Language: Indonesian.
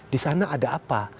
di sana ada apa